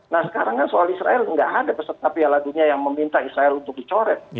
nah sekarang kan soal israel nggak ada peserta piala dunia yang meminta israel untuk dicoret